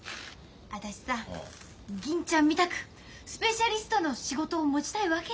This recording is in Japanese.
私さ銀ちゃんみたくスペシャリストの仕事を持ちたいわけよ。